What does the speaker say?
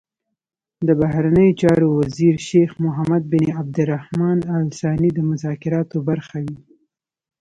د بهرنیو چارو وزیر شیخ محمد بن عبدالرحمان ال ثاني د مذاکراتو برخه وي.